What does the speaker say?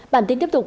bản tin tiếp tục